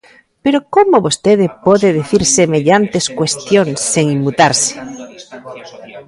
¿Pero como vostede pode dicir semellantes cuestións sen inmutarse?